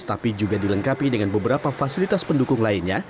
tapi juga dilengkapi dengan beberapa fasilitas pendukung lainnya